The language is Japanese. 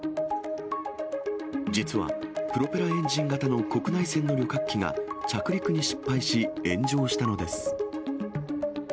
実はプロペラエンジン型の国内線の旅客機が、着陸に失敗し炎上したのです。